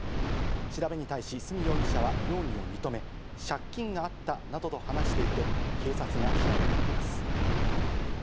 調べに対し角容疑者は容疑を認め、借金があったなどと話していて、警察が調べています。